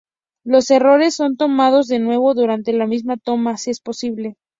Los errores son tomados de nuevo durante la misma toma, si es posible.